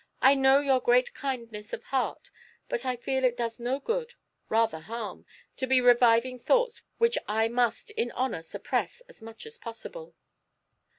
I know your great kindness of heart, but I feel it does no good, rather harm, to be reviving thoughts which I must in honour suppress as much as possible.